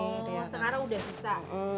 oh sekarang udah bisa